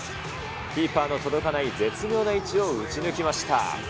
キーパーの届かない絶妙な位置を打ち抜きました。